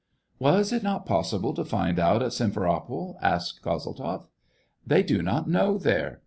'' Was it not possible to find out at Simfer opol }" asked Kozeltzoff. "They do not know there.